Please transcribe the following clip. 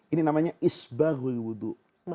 ini namanya isbahul wudu